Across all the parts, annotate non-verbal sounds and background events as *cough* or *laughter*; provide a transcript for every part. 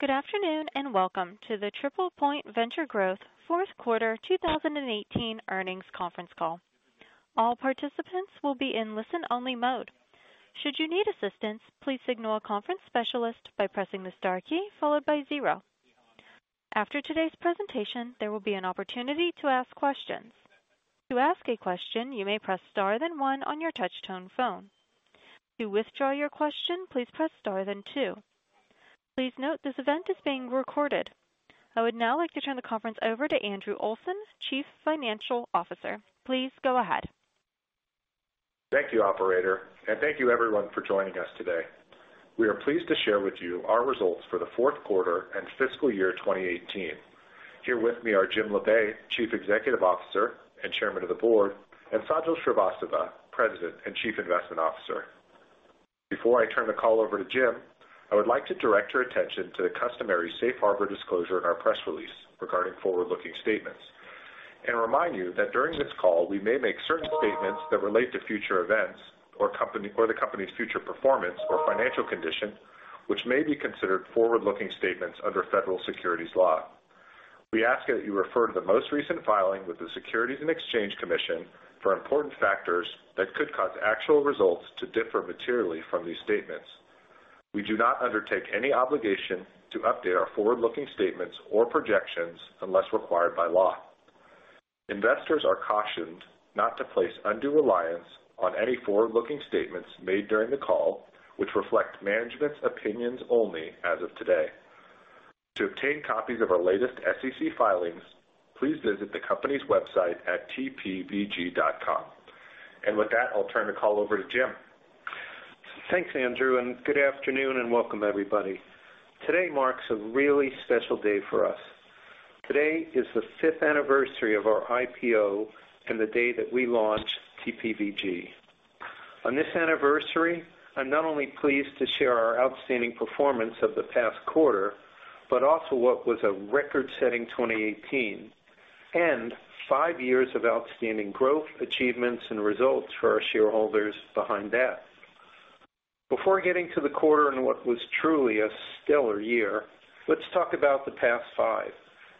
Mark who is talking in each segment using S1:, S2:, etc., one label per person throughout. S1: Good afternoon. Welcome to the TriplePoint Venture Growth fourth quarter 2018 earnings conference call. All participants will be in listen-only mode. Should you need assistance, please signal a conference specialist by pressing the star key followed by zero. After today's presentation, there will be an opportunity to ask questions. To ask a question, you may press star then one on your touch-tone phone. To withdraw your question, please press star then two. Please note this event is being recorded. I would now like to turn the conference over to Andrew Olsen, Chief Financial Officer. Please go ahead.
S2: Thank you, operator, and thank you, everyone, for joining us today. We are pleased to share with you our results for the fourth quarter and fiscal year 2018. Here with me are Jim Labe, Chief Executive Officer and Chairman of the Board, and Sajal Srivastava, President and Chief Investment Officer. Before I turn the call over to Jim, I would like to direct your attention to the customary safe harbor disclosure in our press release regarding forward-looking statements and remind you that during this call, we may make certain statements that relate to future events or the company's future performance or financial condition, which may be considered forward-looking statements under federal securities law. We ask that you refer to the most recent filing with the Securities and Exchange Commission for important factors that could cause actual results to differ materially from these statements. We do not undertake any obligation to update our forward-looking statements or projections unless required by law. Investors are cautioned not to place undue reliance on any forward-looking statements made during the call, which reflect management's opinions only as of today. To obtain copies of our latest SEC filings, please visit the company's website at tpvg.com. With that, I'll turn the call over to Jim.
S3: Thanks, Andrew. Good afternoon, and welcome everybody. Today marks a really special day for us. Today is the fifth anniversary of our IPO and the day that we launched TPVG. On this anniversary, I'm not only pleased to share our outstanding performance of the past quarter, but also what was a record-setting 2018 and five years of outstanding growth, achievements, and results for our shareholders behind that. Before getting to the quarter and what was truly a stellar year, let's talk about the past five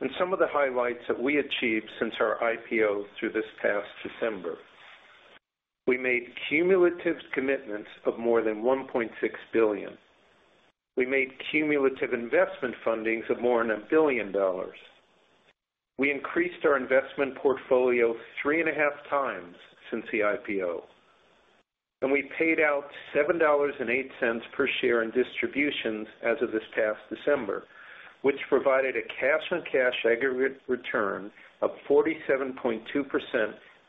S3: and some of the highlights that we achieved since our IPO through this past December. We made cumulative commitments of more than $1.6 billion. We made cumulative investment fundings of more than a billion dollars. We increased our investment portfolio three and a half times since the IPO. We paid out $7.08 per share in distributions as of this past December, which provided a cash-on-cash aggregate return of 47.2%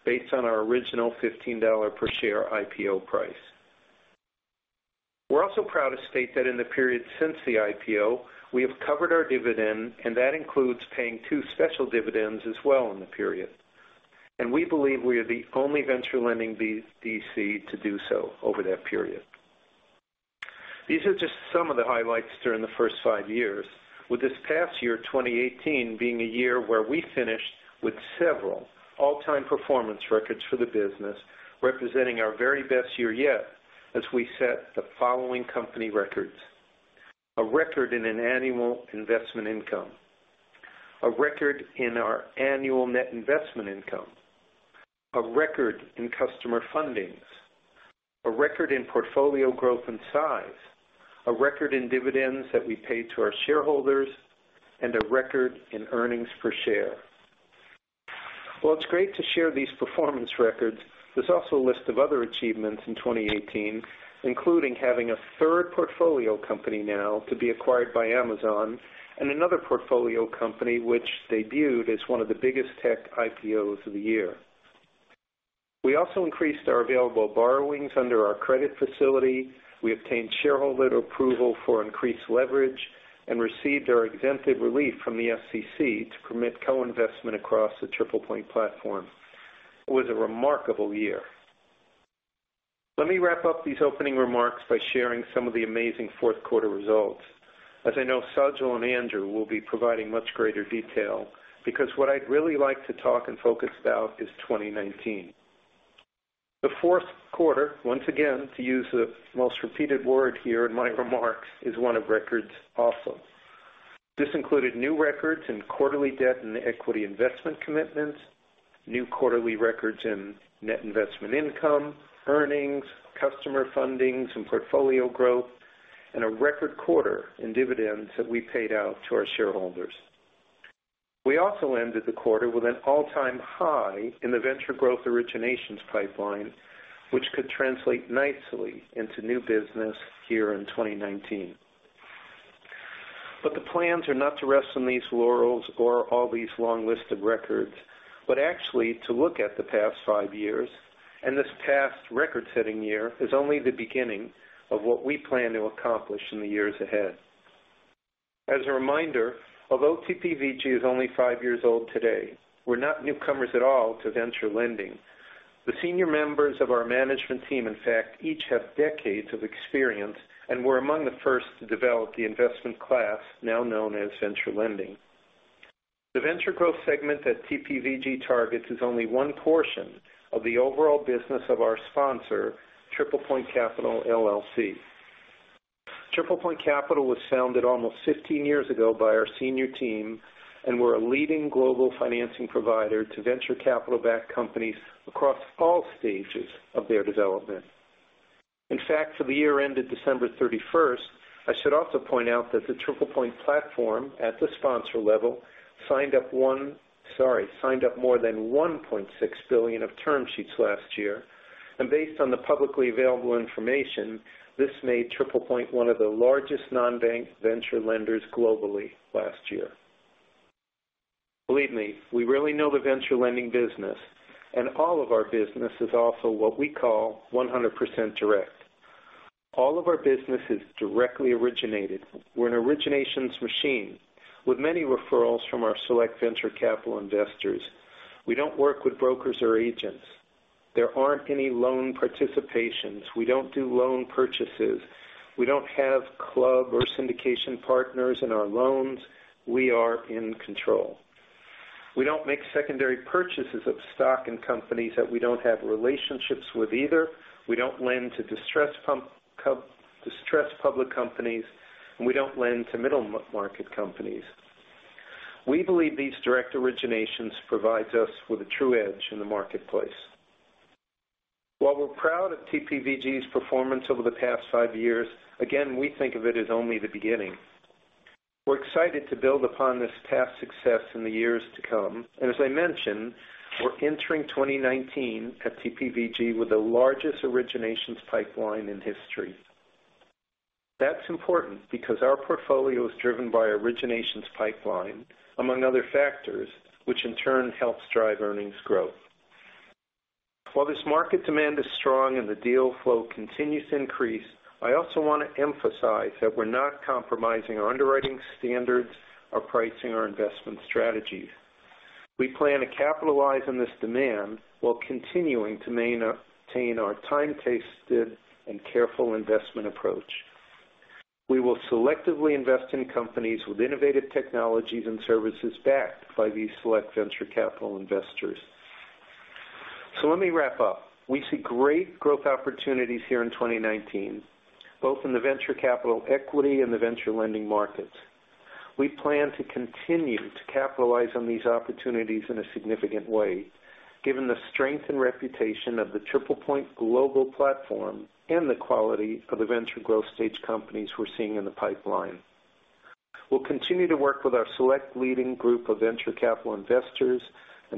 S3: based on our original $15 per share IPO price. We are also proud to state that in the period since the IPO, we have covered our dividend, and that includes paying two special dividends as well in the period. We believe we are the only venture lending BDC to do so over that period. These are just some of the highlights during the first five years, with this past year, 2018, being a year where we finished with several all-time performance records for the business, representing our very best year yet as we set the following company records. A record in an annual investment income, a record in our annual net investment income, a record in customer fundings, a record in portfolio growth and size, a record in dividends that we paid to our shareholders, and a record in earnings per share. While it is great to share these performance records, there is also a list of other achievements in 2018, including having a third portfolio company now to be acquired by Amazon and another portfolio company which debuted as one of the biggest tech IPOs of the year. We also increased our available borrowings under our credit facility. We obtained shareholder approval for increased leverage and received our exemptive relief from the SEC to permit co-investment across the TriplePoint platform. It was a remarkable year. Let me wrap up these opening remarks by sharing some of the amazing fourth quarter results, as I know Sajal and Andrew will be providing much greater detail because what I would really like to talk and focus about is 2019. The fourth quarter, once again, to use the most repeated word here in my remarks, is one of records also. This included new records in quarterly debt and equity investment commitments, new quarterly records in net investment income, earnings, customer fundings and portfolio growth, and a record quarter in dividends that we paid out to our shareholders. We also ended the quarter with an all-time high in the venture growth originations pipeline, which could translate nicely into new business here in 2019. The plans are not to rest on these laurels or all these long list of records, but actually to look at the past five years and this past record-setting year is only the beginning of what we plan to accomplish in the years ahead. As a reminder, although TPVG is only five years old today, we are not newcomers at all to venture lending. The senior members of our management team, in fact, each have decades of experience and were among the first to develop the investment class now known as venture lending. The venture growth segment that TPVG targets is only one portion of the overall business of our sponsor, TriplePoint Capital LLC. TriplePoint Capital was founded almost 15 years ago by our senior team and we are a leading global financing provider to venture capital-backed companies across all stages of their development. In fact, for the year ended December 31st, I should also point out that the TriplePoint platform at the sponsor level signed up more than $1.6 billion of term sheets last year. Based on the publicly available information, this made TriplePoint one of the largest non-bank venture lenders globally last year. Believe me, we really know the venture lending business, and all of our business is also what we call 100% direct. All of our business is directly originated. We're an originations machine with many referrals from our select venture capital investors. We don't work with brokers or agents. There aren't any loan participations. We don't do loan purchases. We don't have club or syndication partners in our loans. We are in control. We don't make secondary purchases of stock in companies that we don't have relationships with either. We don't lend to distressed public companies, and we don't lend to middle-market companies. We believe these direct originations provide us with a true edge in the marketplace. While we're proud of TPVG's performance over the past five years, again, we think of it as only the beginning. We're excited to build upon this past success in the years to come. As I mentioned, we're entering 2019 at TPVG with the largest originations pipeline in history. That's important because our portfolio is driven by originations pipeline, among other factors, which in turn helps drive earnings growth. While this market demand is strong and the deal flow continues to increase, I also want to emphasize that we're not compromising our underwriting standards, our pricing, or investment strategies. We plan to capitalize on this demand while continuing to maintain our time-tested and careful investment approach. We will selectively invest in companies with innovative technologies and services backed by these select venture capital investors. Let me wrap up. We see great growth opportunities here in 2019, both in the venture capital equity and the venture lending markets. We plan to continue to capitalize on these opportunities in a significant way, given the strength and reputation of the TriplePoint global platform and the quality of the venture growth stage companies we're seeing in the pipeline. We'll continue to work with our select leading group of venture capital investors.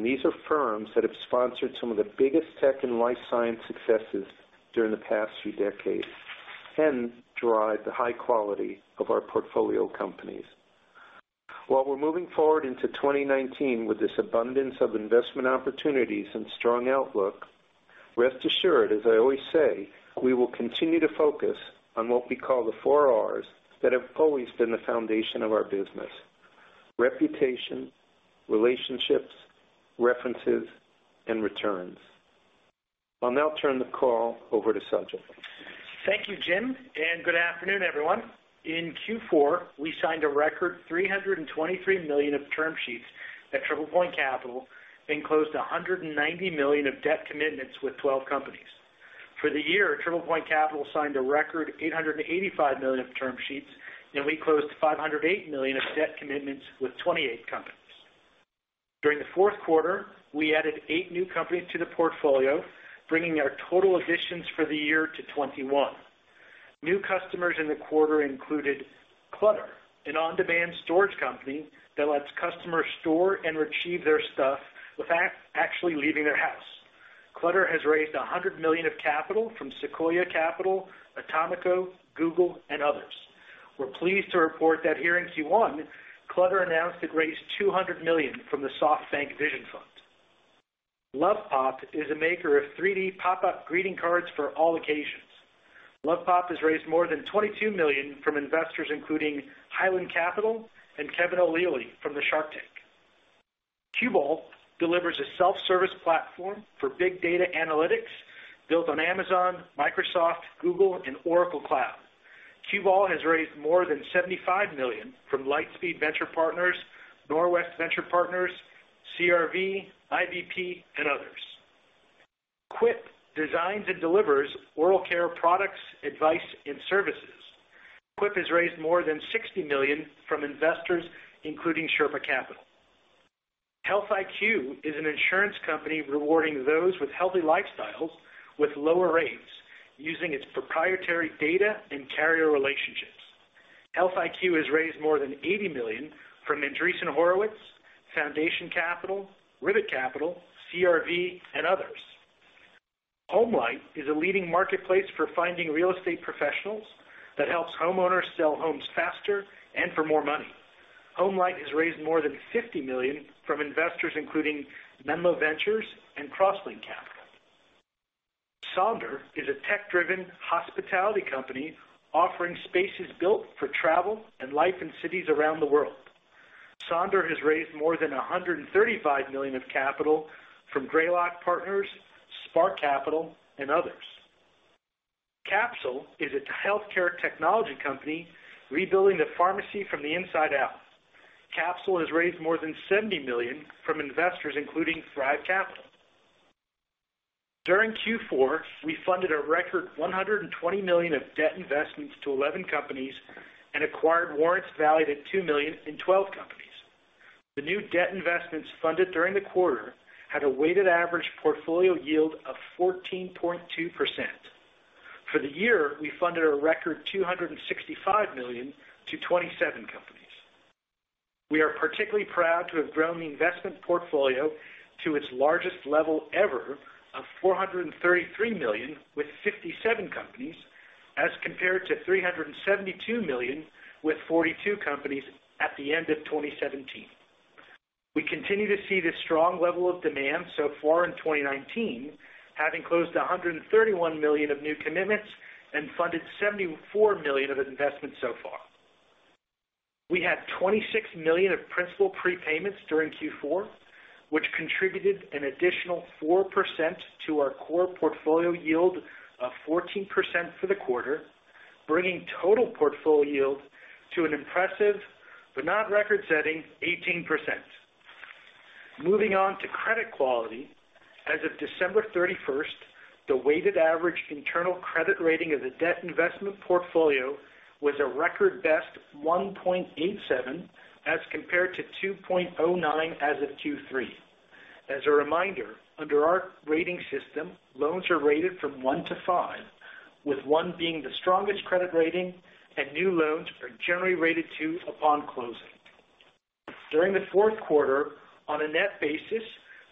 S3: These are firms that have sponsored some of the biggest tech and life science successes during the past few decades and drive the high quality of our portfolio companies. While we're moving forward into 2019 with this abundance of investment opportunities and strong outlook, rest assured, as I always say, we will continue to focus on what we call the Four Rs that have always been the foundation of our business, reputation, relationships, references, and returns. I'll now turn the call over to Sajal.
S4: Thank you, Jim, and good afternoon, everyone. In Q4, we signed a record $323 million of term sheets at TriplePoint Capital and closed $190 million of debt commitments with 12 companies. For the year, TriplePoint Capital signed a record $885 million of term sheets, we closed $508 million of debt commitments with 28 companies. During the fourth quarter, we added eight new companies to the portfolio, bringing our total additions for the year to 21. New customers in the quarter included Clutter, an on-demand storage company that lets customers store and retrieve their stuff without actually leaving their house. Clutter has raised $100 million of capital from Sequoia Capital, Atomico, Google, and others. We're pleased to report that here in Q1, Clutter announced it raised $200 million from the SoftBank Vision Fund. Lovepop is a maker of 3D pop-up greeting cards for all occasions. Lovepop has raised more than $22 million from investors including Highland Capital and Kevin O'Leary from the Shark Tank. Qubole delivers a self-service platform for big data analytics built on Amazon, Microsoft, Google, and Oracle Cloud. Qubole has raised more than $75 million from Lightspeed Venture Partners, Norwest Venture Partners, CRV, IVP, and others. Quip designs and delivers oral care products, advice, and services. Quip has raised more than $60 million from investors, including Sherpa Capital. HealthIQ is an insurance company rewarding those with healthy lifestyles with lower rates using its proprietary data and carrier relationships. HealthIQ has raised more than $80 million from Andreessen Horowitz, Foundation Capital, Rivet Ventures, CRV, and others. HomeLight is a leading marketplace for finding real estate professionals that helps homeowners sell homes faster and for more money. HomeLight has raised more than $50 million from investors including Menlo Ventures and Crosslink Capital. Sonder is a tech-driven hospitality company offering spaces built for travel and life in cities around the world. Sonder has raised more than $135 million of capital from Greylock Partners, Spark Capital, and others. Capsule is a healthcare technology company rebuilding the pharmacy from the inside out. Capsule has raised more than $70 million from investors, including Thrive Capital. During Q4, we funded a record $120 million of debt investments to 11 companies and acquired warrants valued at $2 million in 12 companies. The new debt investments funded during the quarter had a weighted average portfolio yield of 14.2%. For the year, we funded a record $265 million to 27 companies. We are particularly proud to have grown the investment portfolio to its largest level ever of $433 million with 57 companies, as compared to $372 million with 42 companies at the end of 2017. We continue to see this strong level of demand so far in 2019, having closed $131 million of new commitments and funded $74 million of investments so far. We had $26 million of principal prepayments during Q4, which contributed an additional 4% to our core portfolio yield of 14% for the quarter, bringing total portfolio yield to an impressive, but not record-setting, 18%. Moving on to credit quality, as of December 31st, the weighted average internal credit rating of the debt investment portfolio was a record best 1.87 as compared to 2.09 as of Q3. As a reminder, under our rating system, loans are rated from one to five, with one being the strongest credit rating and new loans are generally rated two upon closing. During the fourth quarter, on a net basis,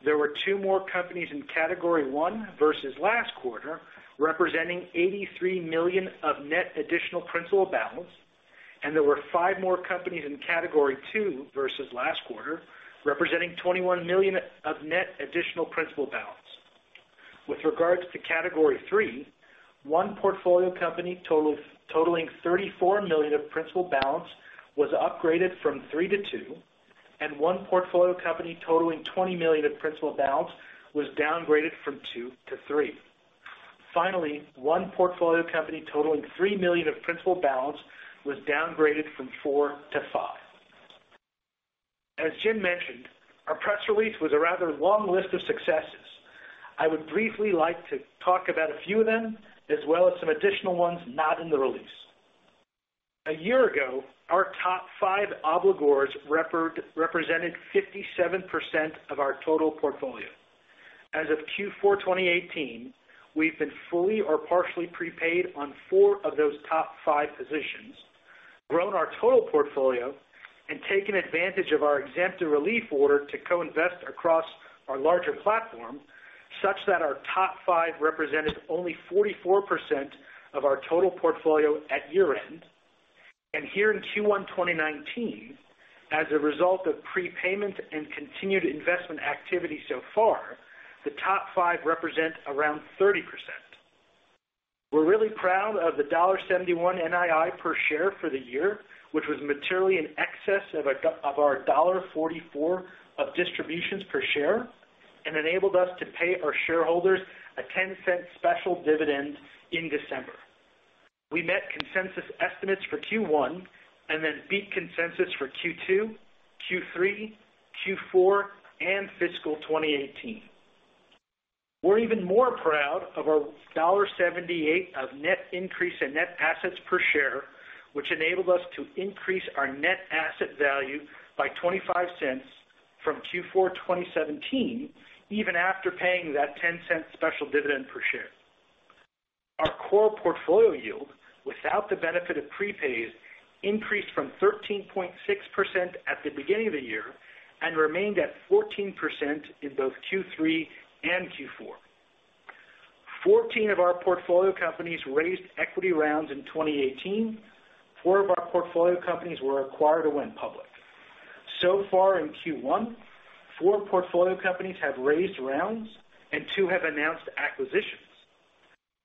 S4: there were two more companies in Category 1 versus last quarter, representing $83 million of net additional principal balance, and there were five more companies in Category 2 versus last quarter, representing $21 million of net additional principal balance. With regards to Category 3, one portfolio company totaling $34 million of principal balance was upgraded from three to two, and one portfolio company totaling $20 million of principal balance was downgraded from two to three. Finally, one portfolio company totaling $3 million of principal balance was downgraded from four to five. As Jim mentioned, our press release was a rather long list of successes. I would briefly like to talk about a few of them, as well as some additional ones not in the release. A year ago, our top five obligors represented 57% of our total portfolio. As of Q4 2018, we've been fully or partially prepaid on four of those top five positions, grown our total portfolio, and taken advantage of our exemptive relief order to co-invest across our larger platform, such that our top five represented only 44% of our total portfolio at year-end. Here in Q1 2019, as a result of prepayment and continued investment activity so far, the top five represent around 30%. We're really proud of the $1.71 NII per share for the year, which was materially in excess of our $1.44 of distributions per share and enabled us to pay our shareholders a $0.10 special dividend in December. We met consensus estimates for Q1 and beat consensus for Q2, Q3, Q4, and fiscal 2018. We're even more proud of our $1.78 of net increase in net assets per share, which enabled us to increase our net asset value by $0.25 from Q4 2017, even after paying that $0.10 special dividend per share. Our core portfolio yield, without the benefit of prepays, increased from 13.6% at the beginning of the year and remained at 14% in both Q3 and Q4. 14 of our portfolio companies raised equity rounds in 2018. Four of our portfolio companies were acquired or went public. So far in Q1, four portfolio companies have raised rounds and two have announced acquisitions.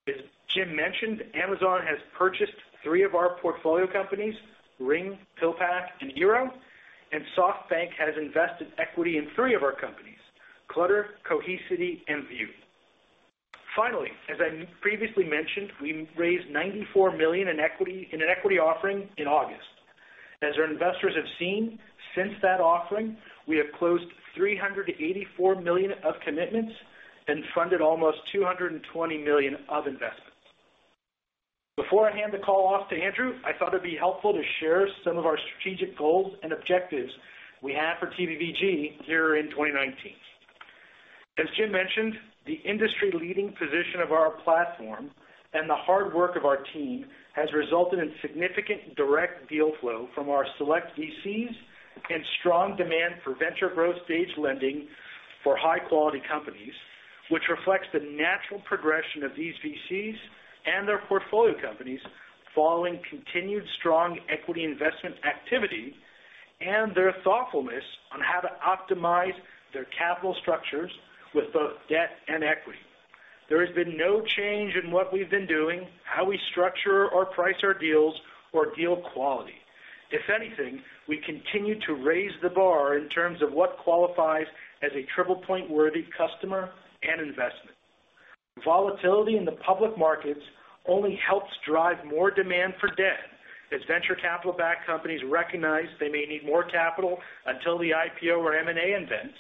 S4: As Jim mentioned, Amazon has purchased three of our portfolio companies, Ring, PillPack, and eero, and SoftBank has invested equity in three of our companies, Clutter, Cohesity, and View. Finally, as I previously mentioned, we raised $94 million in an equity offering in August. As our investors have seen, since that offering, we have closed $384 million of commitments and funded almost $220 million of investments. Before I hand the call off to Andrew, I thought it'd be helpful to share some of our strategic goals and objectives we have for TPVG here in 2019. As Jim mentioned, the industry-leading position of our platform and the hard work of our team has resulted in significant direct deal flow from our select VCs and strong demand for venture growth stage lending for high-quality companies, which reflects the natural progression of these VCs and their portfolio companies following continued strong equity investment activity and their thoughtfulness on how to optimize their capital structures with both debt and equity. There has been no change in what we've been doing, how we structure or price our deals or deal quality. If anything, we continue to raise the bar in terms of what qualifies as a TriplePoint-worthy customer and investment. Volatility in the public markets only helps drive more demand for debt as venture capital-backed companies recognize they may need more capital until the IPO or M&A events,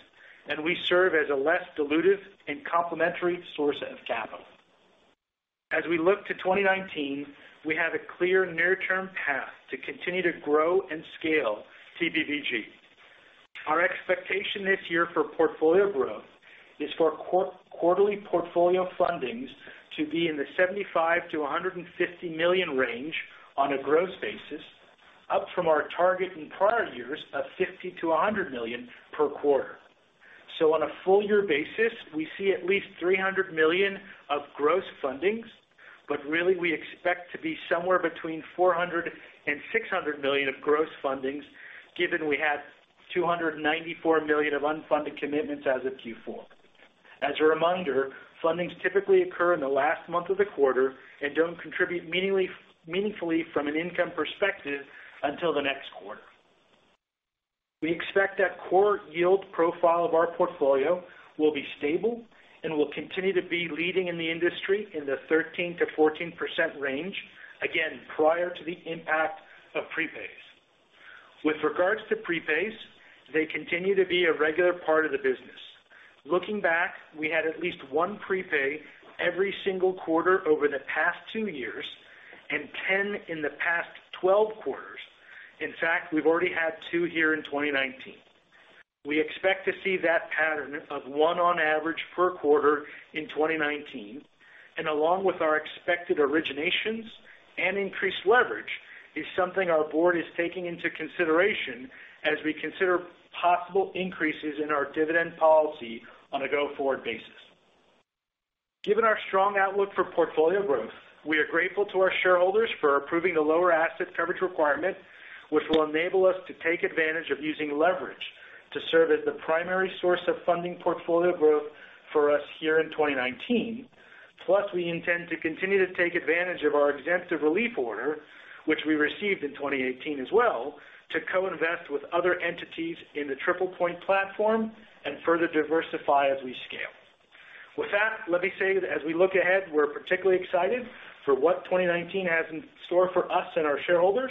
S4: and we serve as a less dilutive and complementary source of capital. As we look to 2019, we have a clear near-term path to continue to grow and scale TPVG. Our expectation this year for portfolio growth is for quarterly portfolio fundings to be in the $75 million-$150 million range on a gross basis, up from our target in prior years of $50 million-$100 million per quarter. On a full year basis, we see at least $300 million of gross fundings, but really we expect to be somewhere between $400 million and $600 million of gross fundings, given we had $294 million of unfunded commitments as of Q4. As a reminder, fundings typically occur in the last month of the quarter and don't contribute meaningfully from an income perspective until the next quarter. We expect that core yield profile of our portfolio will be stable and will continue to be leading in the industry in the 13%-14% range, again, prior to the impact of prepays. With regards to prepays, they continue to be a regular part of the business. Looking back, we had at least one prepay every single quarter over the past two years and 10 in the past 12 quarters. In fact, we've already had two here in 2019. We expect to see that pattern of one on average per quarter in 2019, and along with our expected originations and increased leverage, is something our board is taking into consideration as we consider possible increases in our dividend policy on a go-forward basis. Given our strong outlook for portfolio growth, we are grateful to our shareholders for approving the lower asset coverage requirement, which will enable us to take advantage of using leverage to serve as the primary source of funding portfolio growth for us here in 2019. Plus, we intend to continue to take advantage of our exemptive relief order, which we received in 2018 as well, to co-invest with other entities in the TriplePoint platform and further diversify as we scale. With that, let me say that as we look ahead, we're particularly excited for what 2019 has in store for us and our shareholders.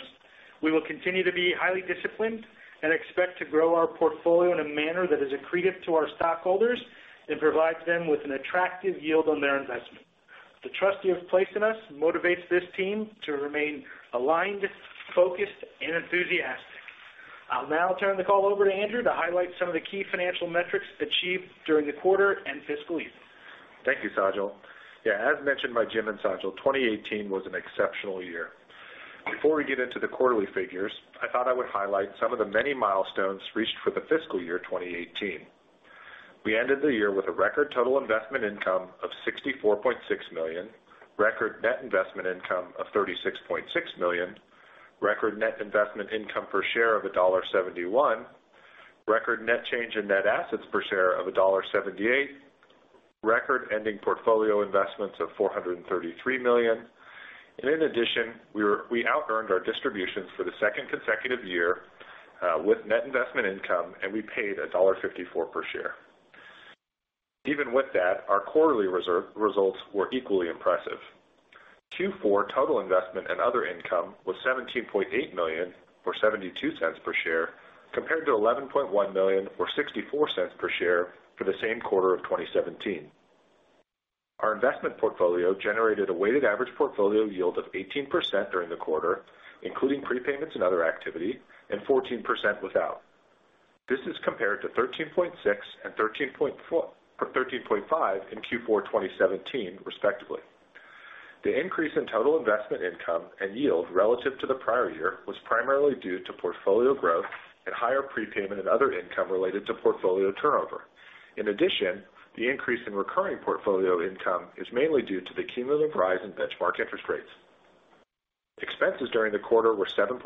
S4: We will continue to be highly disciplined and expect to grow our portfolio in a manner that is accretive to our stockholders and provides them with an attractive yield on their investment. The trust you have placed in us motivates this team to remain aligned, focused, and enthusiastic. I'll now turn the call over to Andrew to highlight some of the key financial metrics achieved during the quarter and fiscal year.
S2: Thank you, Sajal. As mentioned by Jim and Sajal, 2018 was an exceptional year. Before we get into the quarterly figures, I thought I would highlight some of the many milestones reached for the fiscal year 2018. We ended the year with a record total investment income of $64.6 million, record net investment income of $36.6 million, record net investment income per share of $1.71, record net change in net assets per share of $1.78, record ending portfolio investments of $433 million. In addition, we outearned our distributions for the second consecutive year with net investment income, and we paid $1.54 per share. Even with that, our quarterly results were equally impressive. Q4 total investment and other income was $17.8 million, or $0.72 per share, compared to $11.1 million or $0.64 per share for the same quarter of 2017. Our investment portfolio generated a weighted average portfolio yield of 18% during the quarter, including prepayments and other activity, and 14% without. This is compared to 13.6% and 13.5% in Q4 2017, respectively. The increase in total investment income and yield relative to the prior year was primarily due to portfolio growth and higher prepayment and other income related to portfolio turnover. In addition, the increase in recurring portfolio income is mainly due to the cumulative rise in benchmark interest rates. Expenses during the quarter were $7.6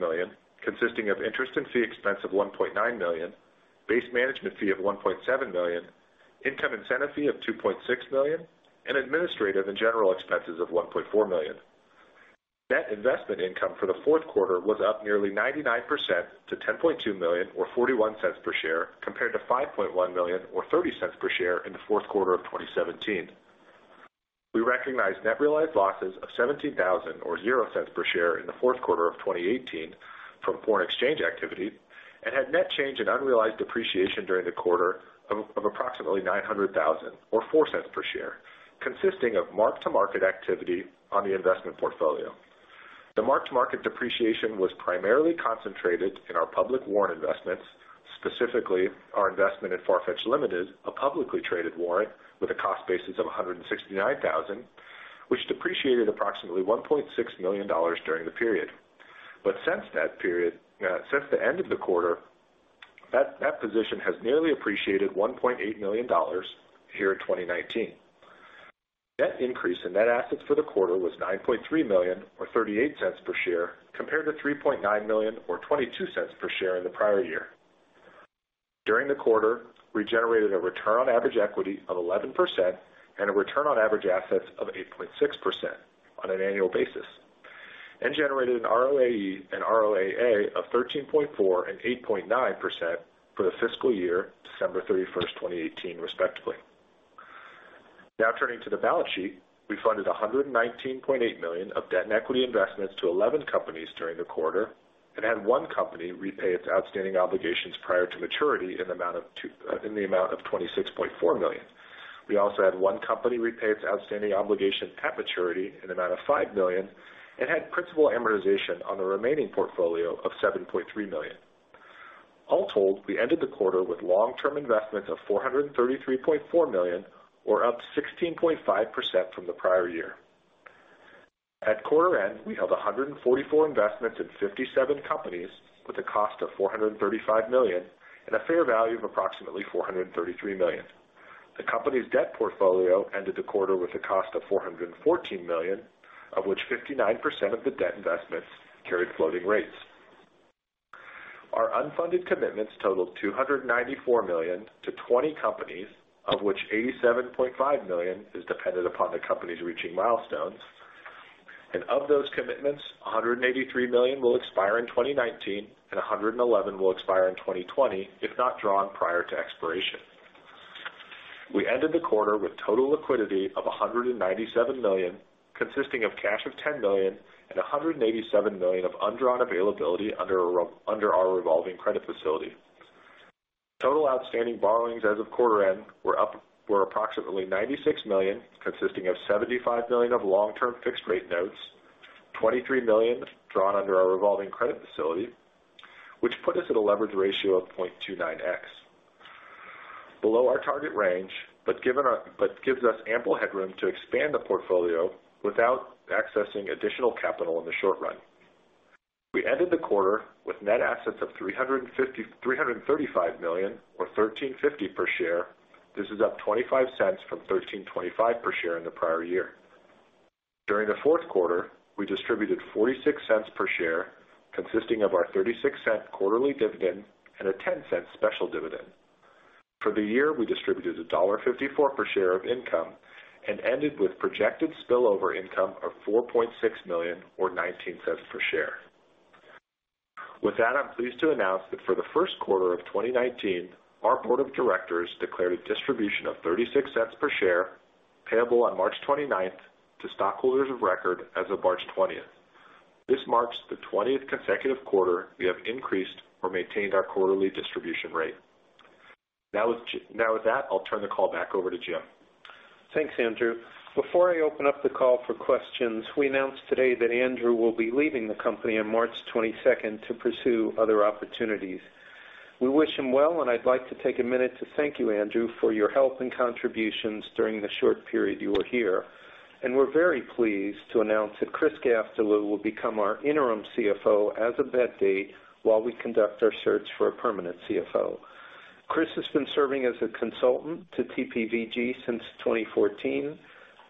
S2: million, consisting of interest and fee expense of $1.9 million, base management fee of $1.7 million, income incentive fee of $2.6 million, and administrative and general expenses of $1.4 million. Net investment income for the fourth quarter was up nearly 99% to $10.2 million or $0.41 per share, compared to $5.1 million or $0.30 per share in the fourth quarter of 2017. We recognized net realized losses of $17,000 or $0.00 per share in the fourth quarter of 2018 from foreign exchange activity and had net change in unrealized depreciation during the quarter of approximately $900,000 or $0.04 per share, consisting of mark-to-market activity on the investment portfolio. The mark-to-market depreciation was primarily concentrated in our public warrant investments, specifically our investment in Farfetch Limited, a publicly traded warrant with a cost basis of $169,000, which depreciated approximately $1.6 million during the period. Since the end of the quarter, that position has nearly appreciated $1.8 million here in 2019. Net increase in net assets for the quarter was $9.3 million or $0.38 per share, compared to $3.9 million or $0.22 per share in the prior year. During the quarter, we generated a return on average equity of 11% and a return on average assets of 8.6% on an annual basis, and generated an ROAE and ROAA of 13.4% and 8.9% for the fiscal year, December 31st, 2018, respectively. Now turning to the balance sheet. We funded $119.8 million of debt and equity investments to 11 companies during the quarter and had one company repay its outstanding obligations prior to maturity in the amount of $26.4 million. We also had one company repay its outstanding obligation at maturity in the amount of $5 million and had principal amortization on the remaining portfolio of $7.3 million. All told, we ended the quarter with long-term investments of $433.4 million, up 16.5% from the prior year. At quarter end, we held 144 investments in 57 companies with a cost of $435 million and a fair value of approximately $433 million. The company's debt portfolio ended the quarter with a cost of $414 million, of which 59% of the debt investments carried floating rates. Our unfunded commitments totaled $294 million to 20 companies, of which $87.5 million is dependent upon the companies reaching milestones. Of those commitments, $183 million will expire in 2019 and $111 million will expire in 2020 if not drawn prior to expiration. We ended the quarter with total liquidity of $197 million, consisting of cash of $10 million and $187 million of undrawn availability under our revolving credit facility. Total outstanding borrowings as of quarter end were approximately $96 million, consisting of $75 million of long-term fixed-rate notes, $23 million drawn under our revolving credit facility, which put us at a leverage ratio of 0.29x. Below our target range, gives us ample headroom to expand the portfolio without accessing additional capital in the short run. We ended the quarter with net assets of $335 million or $13.50 per share. This is up $0.25 from $13.25 per share in the prior year. During the fourth quarter, we distributed $0.46 per share, consisting of our $0.36 quarterly dividend and a $0.10 special dividend. For the year, we distributed $1.54 per share of income and ended with projected spillover income of $4.6 million or $0.19 per share. With that, I'm pleased to announce that for the first quarter of 2019, our board of directors declared a distribution of $0.36 per share, payable on March 29th to stockholders of record as of March 20th. This marks the 20th consecutive quarter we have increased or maintained our quarterly distribution rate. With that, I'll turn the call back over to Jim.
S3: Thanks, Andrew. Before I open up the call for questions, we announced today that Andrew will be leaving the company on March 22nd to pursue other opportunities. We wish him well, and I'd like to take a minute to thank you, Andrew for your help and contributions during the short period you were here. We're very pleased to announce that Chris Gastelu will become our interim CFO as of that date while we conduct our search for a permanent CFO. Chris has been serving as a consultant to TPVG since 2014,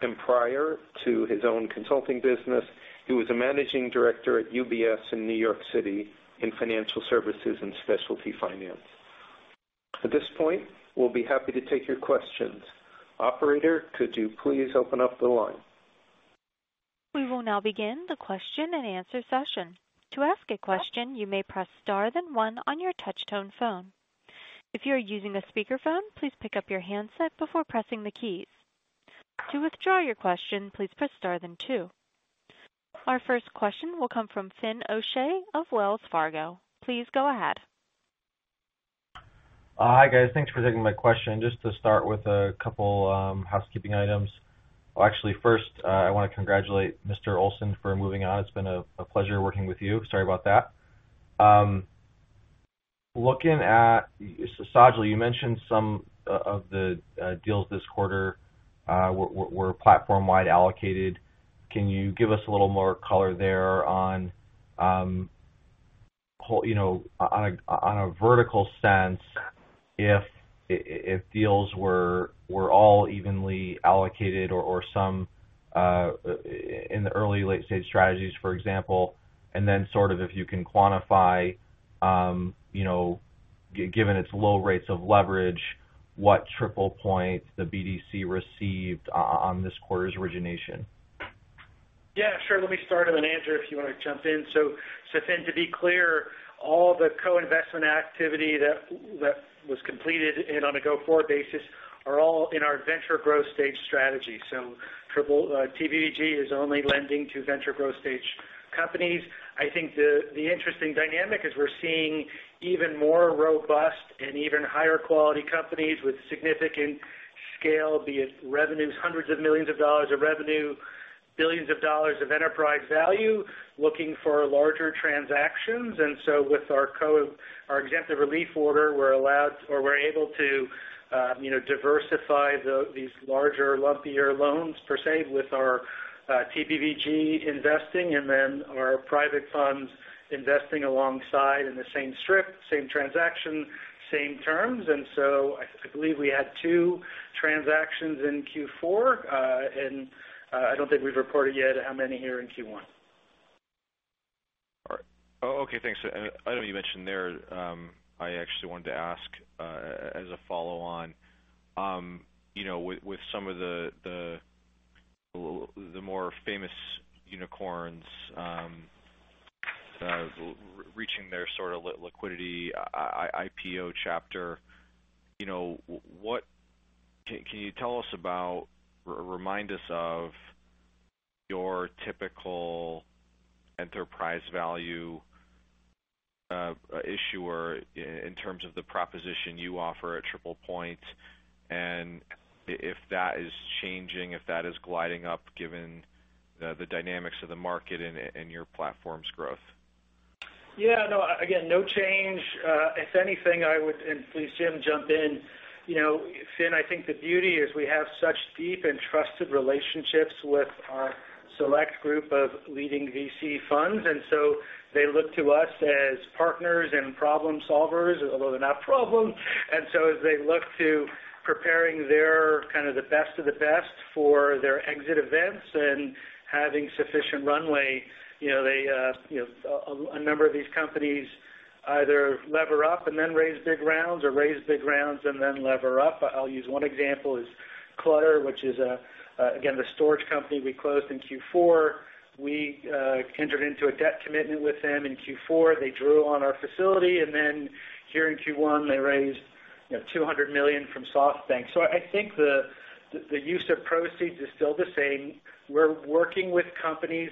S3: and prior to his own consulting business, he was a managing director at UBS in New York City in financial services and specialty finance. At this point, we'll be happy to take your questions. Operator, could you please open up the line?
S1: We will now begin the question and answer session. To ask a question, you may press star then one on your touch-tone phone. If you are using a speakerphone, please pick up your handset before pressing the keys. To withdraw your question, please press star then two. Our first question will come from Fin O'Shea of Wells Fargo. Please go ahead.
S5: Hi, guys. Thanks for taking my question. Just to start with a couple housekeeping items. Well, actually, first, I want to congratulate Mr. Olsen for moving on. It's been a pleasure working with you. Sorry about that. Sajal, you mentioned some of the deals this quarter were platform-wide allocated. Can you give us a little more color there on a vertical sense if deals were all evenly allocated or some in the early late-stage strategies, for example, and then if you can quantify given its low rates of leverage, what TriplePoint, the BDC received on this quarter's origination?
S4: Yeah, sure. Let me start and then, Andrew, if you want to jump in. Fin, to be clear, all the co-investment activity that was completed and on a go-forward basis are all in our venture growth stage strategy. TPVG is only lending to venture growth stage companies. I think the interesting dynamic is we're seeing even more robust and even higher quality companies with significant scale, be it revenues, hundreds of millions of dollars of revenue, billions of dollars of enterprise value, looking for larger transactions. With our exemptive relief order, we're able to diversify these larger, lumpier loans per se, with our TPVG investing and then our private funds investing alongside in the same strip, same transaction, same terms. I believe we had two transactions in Q4. I don't think we've reported yet how many here in Q1.
S5: All right. Okay, thanks. I know you mentioned there, I actually wanted to ask as a follow-on. With some of the more famous unicorns reaching their sort of liquidity IPO chapter, can you tell us about, remind us of your typical enterprise value issuer in terms of the proposition you offer at TriplePoint and if that is changing, if that is gliding up given the dynamics of the market and your platform's growth?
S4: Yeah, no, again, no change. If anything, I would. Please, Jim, jump in. Fin, I think the beauty is we have such deep and trusted relationships with our select group of leading VC funds. They look to us as partners and problem-solvers, although they're not problems. As they look to preparing their kind of the best of the best for their exit events and having sufficient runway, a number of these companies either lever up and then raise big rounds or raise big rounds and then lever up. I'll use one example is Clutter, which is, again, the storage company we closed in Q4. We entered into a debt commitment with them in Q4. They drew on our facility. Here in Q1, they raised $200 million from SoftBank. I think the use of proceeds is still the same. We're working with companies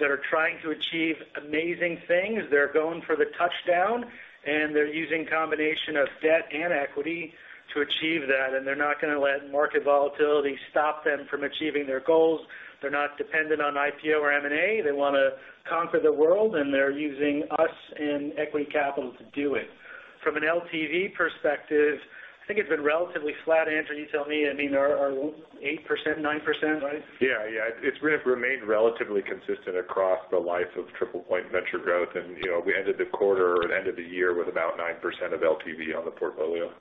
S4: that are trying to achieve amazing things. They're going for the touchdown. They're using a combination of debt and equity to achieve that, and they're not going to let market volatility stop them from achieving their goals. They're not dependent on IPO or M&A. They want to conquer the world. They're using us and equity capital to do it. From an LTV perspective, I think it's been relatively flat. Andrew, you tell me. I mean, are 8% or 9%, right?
S2: Yeah. It's remained relatively consistent across the life of TriplePoint Venture Growth. We ended the quarter or ended the year with about 9% of LTV on the portfolio.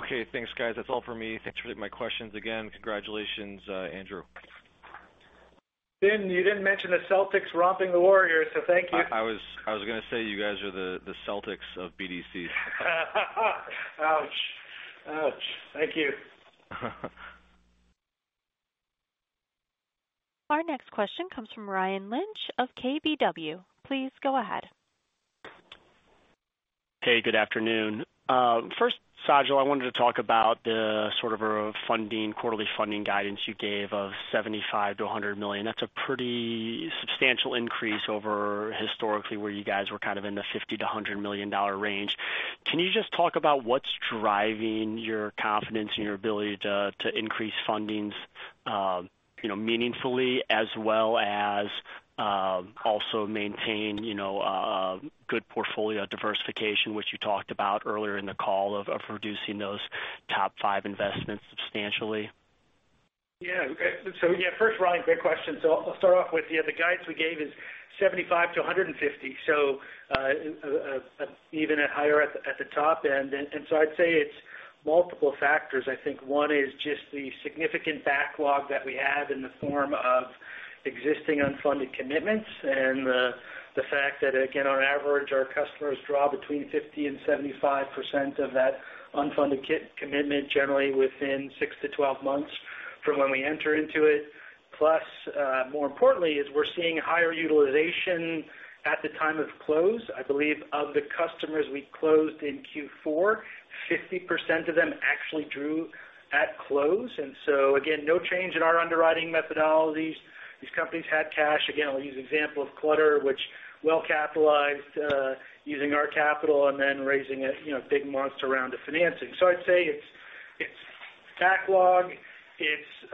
S5: Okay, thanks, guys. That's all for me. Thanks for taking my questions. Again, congratulations Andrew.
S4: Fin, you didn't mention the Celtics romping the Warriors, so thank you.
S5: I was going to say, you guys are the Celtics of BDCs.
S4: Ouch. Thank you.
S1: Our next question comes from Ryan Lynch of KBW. Please go ahead.
S6: Hey, good afternoon. First, Sajal, I wanted to talk about the sort of quarterly funding guidance you gave of $75 million-$100 million. That's a pretty substantial increase over historically where you guys were kind of in the $50 million-$100 million range. Can you just talk about what's driving your confidence in your ability to increase fundings meaningfully as well as also maintain a good portfolio diversification, which you talked about earlier in the call of reducing those top five investments substantially?
S4: Yeah. First, Ryan, great question. I'll start off with the guidance we gave is $75 million-$150 million, even at higher at the top end. I'd say it's multiple factors. I think one is just the significant backlog that we have in the form of existing unfunded commitments, and the fact that, again, on average, our customers draw between 50%-75% of that unfunded commitment generally within 6 to 12 months from when we enter into it. Plus, more importantly, is we're seeing higher utilization at the time of close. I believe of the customers we closed in Q4, 50% of them actually drew at close. Again, no change in our underwriting methodologies. These companies had cash. Again, I'll use the example of Clutter, which well-capitalized using our capital and then raising a big monster round of financing. I'd say it's backlog, it's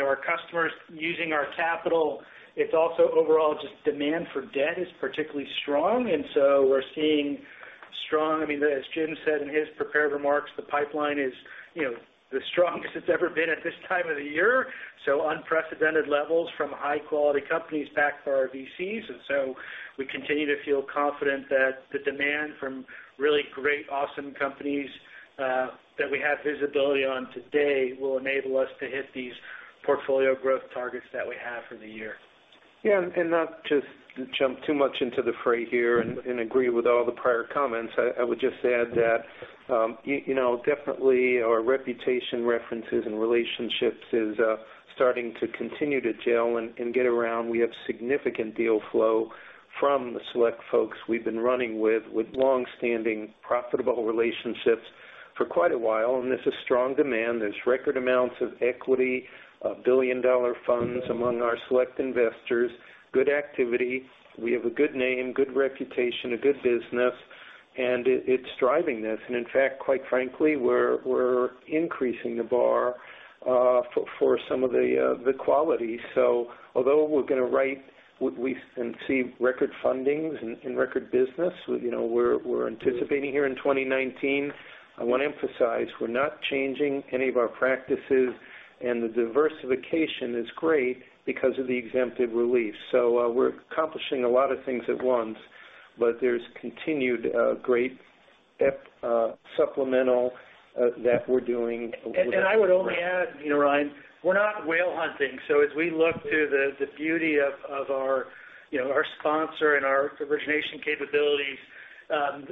S4: our customers using our capital. It's also overall just demand for debt is particularly strong, we're seeing strong I mean, as Jim said in his prepared remarks, the pipeline is the strongest it's ever been at this time of the year. Unprecedented levels from high-quality companies backed by our VCs. We continue to feel confident that the demand from really great, awesome companies that we have visibility on today will enable us to hit these portfolio growth targets that we have for the year.
S3: Yeah. Not to jump too much into the fray here and agree with all the prior comments. I would just add that definitely our reputation, references, and relationships is starting to continue to gel and get around. We have significant deal flow from the select folks we've been running with long-standing profitable relationships for quite a while. There's a strong demand. There's record amounts of equity, billion-dollar funds among our select investors. Good activity. We have a good name, good reputation, a good business, and it's driving this. In fact, quite frankly, we're increasing the bar for some of the quality. Although we're going to write and see record fundings and record business, we're anticipating here in 2019. I want to emphasize, we're not changing any of our practices, and the diversification is great because of the exemptive relief. We're accomplishing a lot of things at once, but there's continued great supplemental that we're doing with.
S4: I would only add, Ryan, we're not whale hunting. As we look through the beauty of our sponsor and our origination capabilities,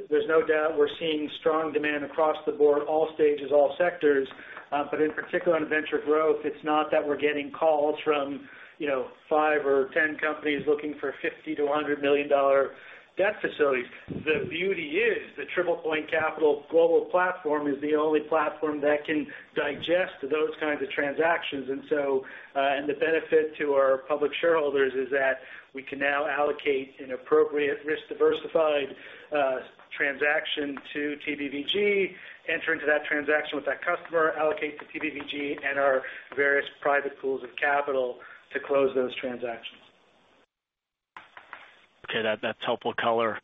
S4: there's no doubt we're seeing strong demand across the board, all stages, all sectors. But in particular, on venture growth, it's not that we're getting calls from five or 10 companies looking for $50 million-$100 million debt facilities. The beauty is the TriplePoint Capital global platform is the only platform that can digest those kinds of transactions. The benefit to our public shareholders is that we can now allocate an appropriate risk-diversified transaction to TPVG, enter into that transaction with that customer, allocate to TPVG and our various private pools of capital to close those transactions.
S6: Okay. That's helpful color.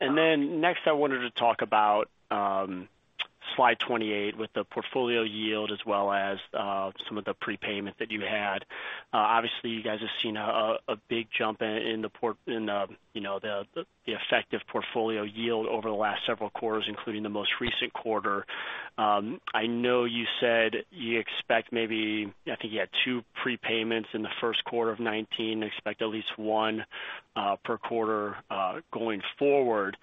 S6: Next I wanted to talk about slide 28 with the portfolio yield as well as some of the prepayment that you had. Obviously, you guys have seen a big jump in the effective portfolio yield over the last several quarters, including the most recent quarter. I know you said you expect maybe, I think you had two prepayments in the first quarter of 2019, expect at least one per quarter, going forward.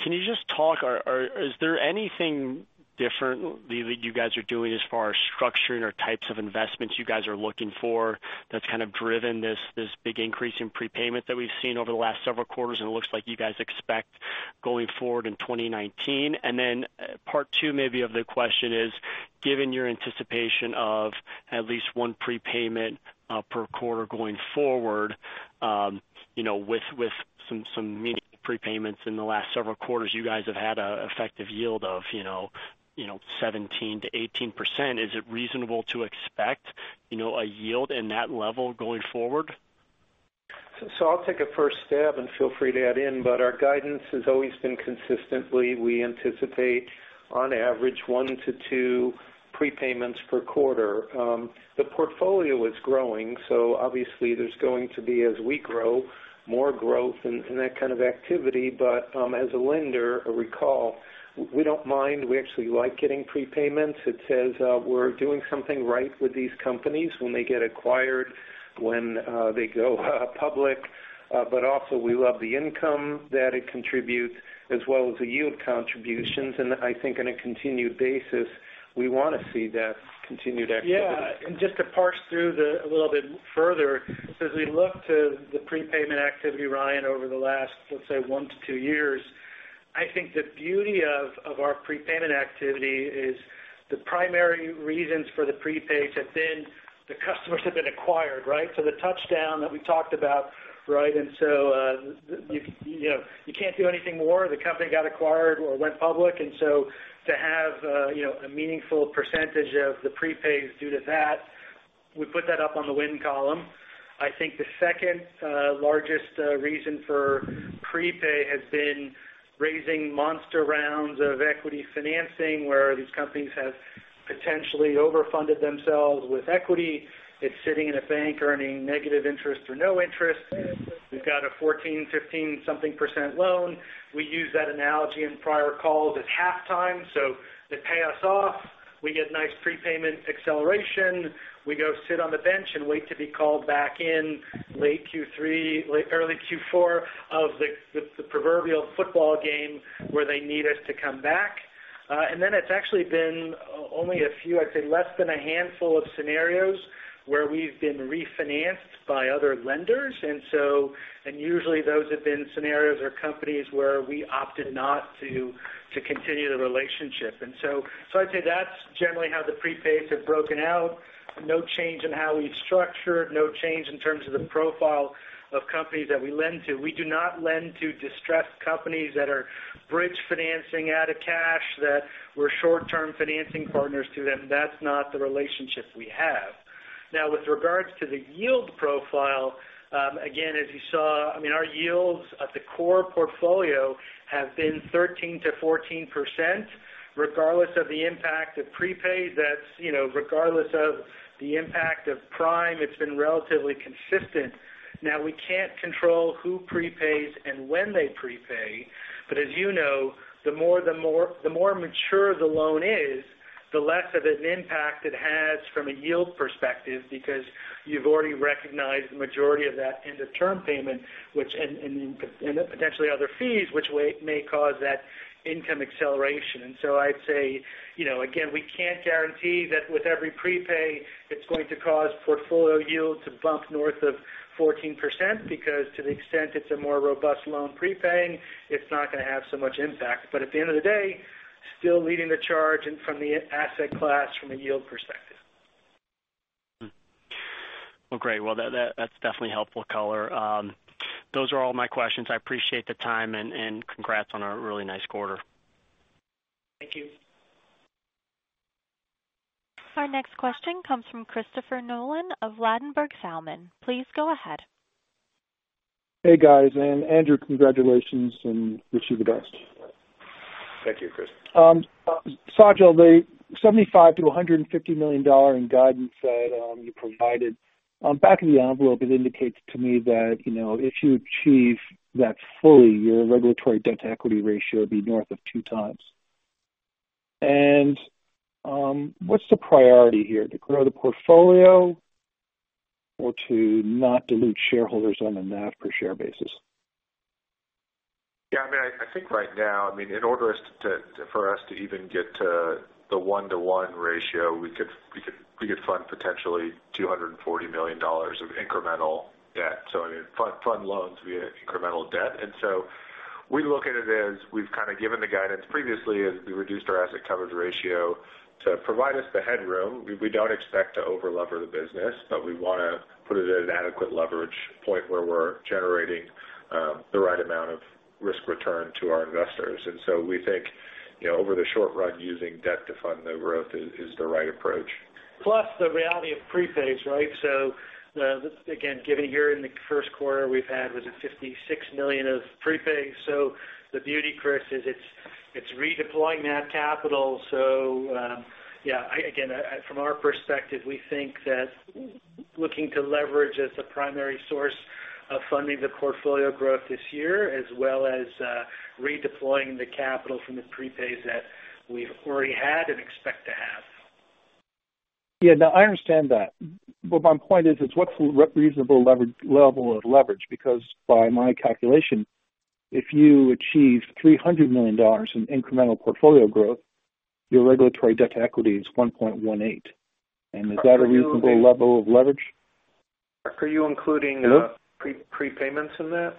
S6: Can you just talk, is there anything different that you guys are doing as far as structuring or types of investments you guys are looking for that's driven this big increase in prepayment that we've seen over the last several quarters and it looks like you guys expect going forward in 2019? Part two maybe of the question is, given your anticipation of at least one prepayment per quarter going forward, with some meaningful prepayments in the last several quarters, you guys have had an effective yield of 17%-18%. Is it reasonable to expect a yield in that level going forward?
S3: I'll take a first stab and feel free to add in. Our guidance has always been consistently, we anticipate on average one to two prepayments per quarter. The portfolio is growing, obviously there's going to be, as we grow, more growth in that kind of activity. As a lender, a recall, we don't mind. We actually like getting prepayments. It says we're doing something right with these companies when they get acquired, when they go public. We also love the income that it contributes as well as the yield contributions. I think on a continued basis, we want to see that continued activity.
S4: Yeah. Just to parse through a little bit further. As we look to the prepayment activity, Ryan, over the last, let's say one to two years, I think the beauty of our prepayment activity is the primary reasons for the prepay have been the customers have been acquired. The touchdown that we talked about. You can't do anything more. The company got acquired or went public. To have a meaningful percentage of the prepays due to that, we put that up on the win column. I think the second largest reason for prepay has been raising monster rounds of equity financing where these companies have potentially overfunded themselves with equity. It's sitting in a bank earning negative interest or no interest. We've got a 14%, 15% something percent loan. We use that analogy in prior calls. It's halftime, they pay us off. We get nice prepayment acceleration. We go sit on the bench and wait to be called back in late Q3, early Q4 of the proverbial football game where they need us to come back. It's actually been only a few, I'd say less than a handful of scenarios where we've been refinanced by other lenders. Usually those have been scenarios or companies where we opted not to continue the relationship. I'd say that's generally how the prepayments have broken out. No change in how we've structured. No change in terms of the profile of companies that we lend to. We do not lend to distressed companies that are bridge financing out of cash, that we're short-term financing partners to them. That's not the relationship we have. Now with regards to the yield profile. Again, as you saw, our yields at the core portfolio have been 13%-14%, regardless of the impact of prepay. That's regardless of the impact of prime. It's been relatively consistent. Now we can't control who prepays and when they prepay. As you know, the more mature the loan is, the less of an impact it has from a yield perspective because you've already recognized the majority of that end of term payment and potentially other fees, which may cause that income acceleration. I'd say, again, we can't guarantee that with every prepay it's going to cause portfolio yield to bump north of 14% because to the extent it's a more robust loan prepaying, it's not going to have so much impact. At the end of the day, still leading the charge from the asset class from a yield perspective.
S6: Well, great. Well, that's definitely helpful color. Those are all my questions. I appreciate the time and congrats on a really nice quarter.
S4: Thank you.
S1: Our next question comes from Christopher Nolan of Ladenburg Thalmann. Please go ahead.
S7: Hey, guys. Andrew, congratulations and wish you the best.
S2: Thank you, Chris.
S7: Sajal, $75 million-$150 million in guidance that you provided. Back of the envelope, it indicates to me that if you achieve that fully, your regulatory debt-to-equity ratio would be north of 2 times. What's the priority here? To grow the portfolio or to not dilute shareholders on a NAV per share basis?
S2: Yeah. I think right now, in order for us to even get to the 1:1 ratio, we could fund potentially $240 million of incremental debt. Fund loans via incremental debt. We look at it as we've kind of given the guidance previously as we reduced our asset coverage ratio to provide us the headroom. We don't expect to over-leverage the business, but we want to put it at an adequate leverage point where we're generating the right amount of risk return to our investors. We think, over the short run, using debt to fund the growth is the right approach.
S4: Plus the reality of prepays. Again, given here in the first quarter we've had, was it $56 million of prepays. The beauty, Chris, is it's redeploying that capital. Yeah, again, from our perspective, we think that looking to leverage as the primary source of funding the portfolio growth this year as well as redeploying the capital from the prepays that we've already had and expect to have.
S7: Yeah. No, I understand that. My point is, what's the reasonable level of leverage? Because by my calculation, if you achieve $300 million in incremental portfolio growth, your regulatory debt to equity is 1.18. Is that a reasonable level of leverage?
S4: Are you including prepayments in that?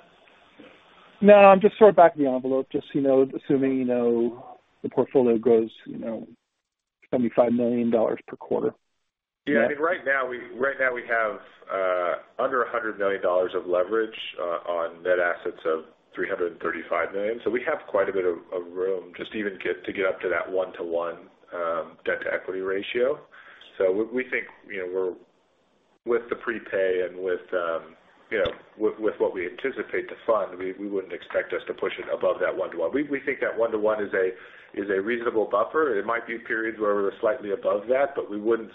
S7: No, I'm just sort of back of the envelope, just assuming the portfolio grows $75 million per quarter.
S2: Yeah. I mean, right now we have under $100 million of leverage on net assets of $335 million. We have quite a bit of room just even to get up to that 1:1 debt-to-equity ratio. We think with the prepay and with what we anticipate to fund, we wouldn't expect us to push it above that one-to-one. We think that 1:1 is a reasonable buffer. It might be periods where we're slightly above that, but we wouldn't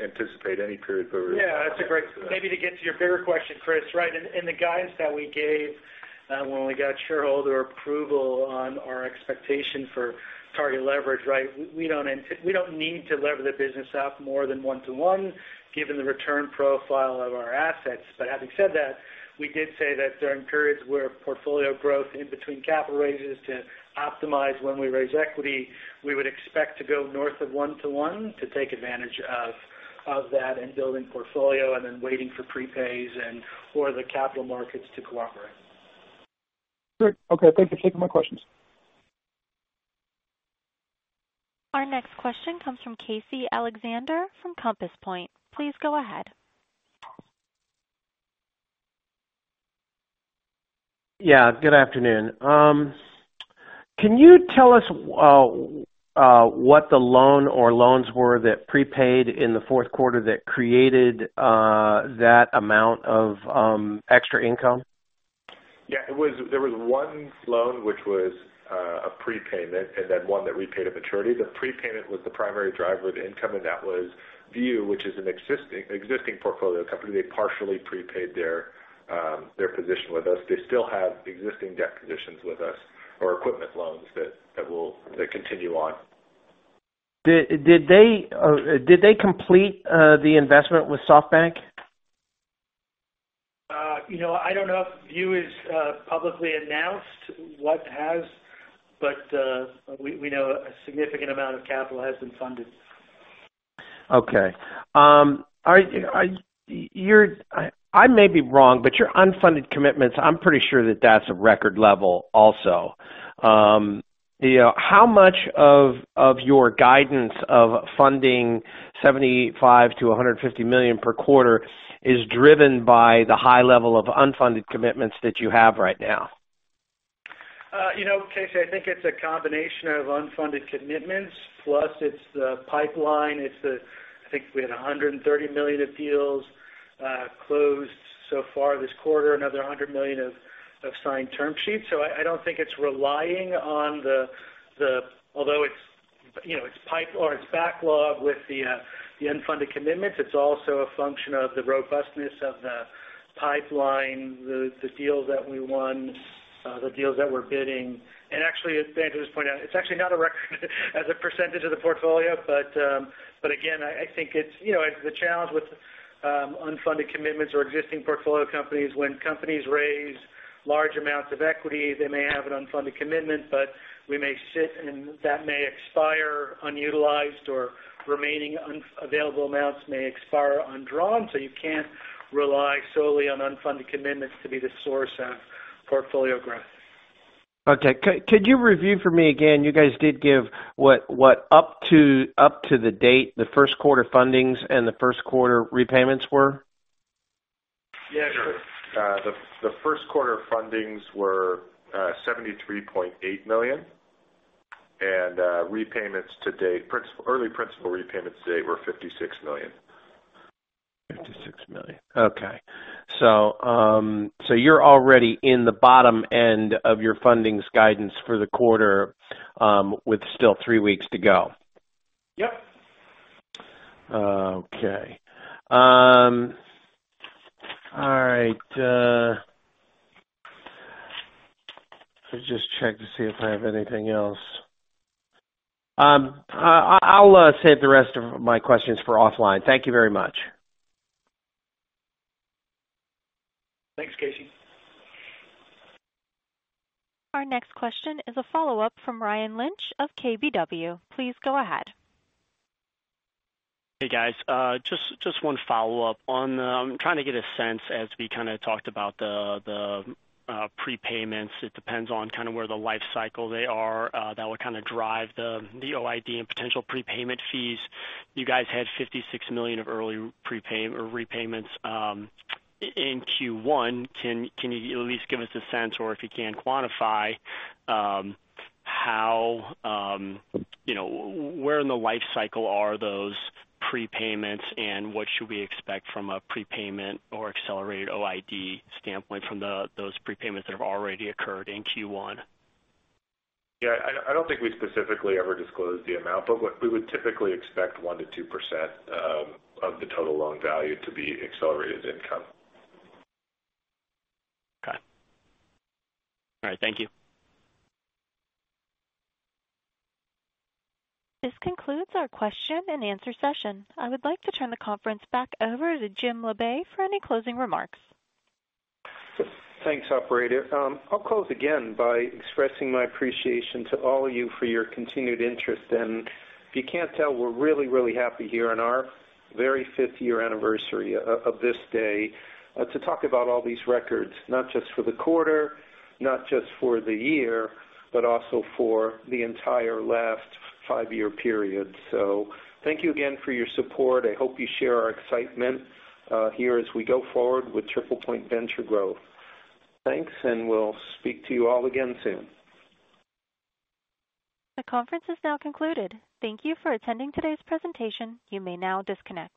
S2: anticipate any period where we're.
S4: To get to your bigger question, Chris. In the guidance that we gave when we got shareholder approval on our expectation for target leverage. We don't need to lever the business up more than 1:1 given the return profile of our assets. Having said that, we did say that there are periods where portfolio growth in between capital raises to optimize when we raise equity. We would expect to go north of 1:1 to take advantage of that and building portfolio and then waiting for prepays and for the capital markets to cooperate.
S7: Great. Okay. Thank you. Thank you for my questions.
S1: Our next question comes from Casey Alexander from Compass Point. Please go ahead.
S8: Good afternoon. Can you tell us what the loan or loans were that prepaid in the fourth quarter that created that amount of extra income?
S2: Yeah. There was one loan which was a prepayment. Then one that repaid a maturity. The prepayment was the primary driver of the income. That was View, which is an existing portfolio company. They partially prepaid their position with us. They still have existing debt positions with us or equipment loans that continue on.
S8: Did they complete the investment with SoftBank?
S4: I don't know if View has publicly announced what has. We know a significant amount of capital has been funded.
S8: Okay. I may be wrong. Your unfunded commitments, I'm pretty sure that that's a record level also. How much of your guidance of funding $75 million-$150 million per quarter is driven by the high level of unfunded commitments that you have right now?
S4: You know, Casey, I think it's a combination of unfunded commitments, plus it's the pipeline. I think we had $130 million of deals closed so far this quarter, another $100 million of signed term sheets. I don't think it's relying on the although it's pipe or it's backlog with the unfunded commitments. It's also a function of the robustness of the pipeline, the deals that we won, the deals that we're bidding. Actually, as *audio distortion* just pointed out, it's actually not a record as a percentage of the portfolio. Again, I think the challenge with unfunded commitments or existing portfolio companies, when companies raise large amounts of equity, they may have an unfunded commitment, but we may sit, and that may expire unutilized or remaining available amounts may expire undrawn. You can't rely solely on unfunded commitments to be the source of portfolio growth.
S8: Okay. Could you review for me again, you guys did give what up to the date, the first quarter fundings and the first quarter repayments were?
S2: Yeah, sure. The first quarter fundings were $73.8 million. Repayments to date, early principal repayments to date were $56 million.
S8: $56 million. Okay. You're already in the bottom end of your fundings guidance for the quarter with still three weeks to go.
S3: Yep.
S8: Okay. All right. Let's just check to see if I have anything else. I'll save the rest of my questions for offline. Thank you very much.
S3: Thanks, Casey.
S1: Our next question is a follow-up from Ryan Lynch of KBW. Please go ahead.
S6: Hey, guys. Just one follow-up. I'm trying to get a sense as we kind of talked about the prepayments. It depends on kind of where the life cycle they are that would kind of drive the OID and potential prepayment fees. You guys had $56 million of early prepayments or repayments in Q1. Can you at least give us a sense, or if you can quantify where in the life cycle are those prepayments, and what should we expect from a prepayment or accelerated OID standpoint from those prepayments that have already occurred in Q1?
S2: Yeah, I don't think we specifically ever disclosed the amount, but we would typically expect 1%-2% of the total loan value to be accelerated income.
S6: Okay. All right. Thank you.
S1: This concludes our question and answer session. I would like to turn the conference back over to Jim Labe for any closing remarks.
S3: Thanks, operator. I'll close again by expressing my appreciation to all of you for your continued interest. If you can't tell, we're really happy here on our very fifth year anniversary of this day to talk about all these records, not just for the quarter, not just for the year, but also for the entire last five-year period. Thank you again for your support. I hope you share our excitement here as we go forward with TriplePoint Venture Growth. Thanks, we'll speak to you all again soon.
S1: The conference is now concluded. Thank you for attending today's presentation. You may now disconnect.